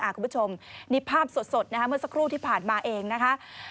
คุณผู้ชมนี่ภาพสดนะคะเมื่อสักครู่ที่ผ่านมาเองนะคะ